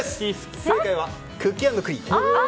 正解はクッキー＆クリーム。